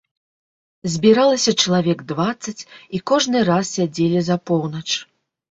Збіралася чалавек дваццаць, і кожны раз сядзелі за поўнач.